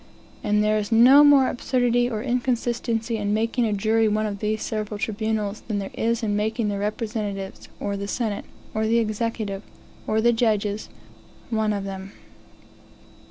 And there is no more absurdity or inconsistency in making a jury one of these several tribunals, than there is in making the representatives, or the senate, or the executive, or the judges, one of them.